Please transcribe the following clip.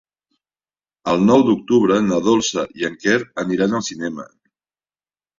El nou d'octubre na Dolça i en Quer aniran al cinema.